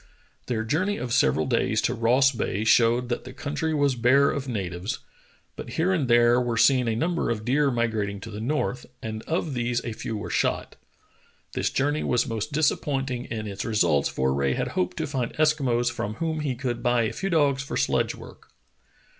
Their journey of several days to Ross Bay showed that the country was bare of na tives, but here and there were seen a number of deer migrating to the north, and of these a few were shot. This journey was most disappointing in its results for Rae had hoped to find Eskimos from whom he could buy a few dogs for sledge work.